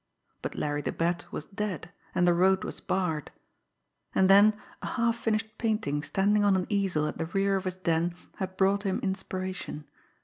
But Larry the Bat was dead and the road was barred. And then a half finished painting standing on an easel at the rear of his den had brought him inspiration.